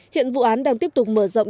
hiện vụ án đang tiếp tục mở rộng điều tra